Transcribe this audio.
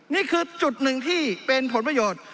นี่คือจุดหนึ่งที่เป็นผลประโยชน์